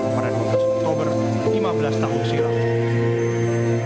pernah menemukan obor lima belas tahun silam